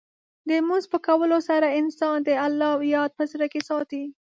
د لمونځ په کولو سره، انسان د الله یاد په زړه کې ساتي.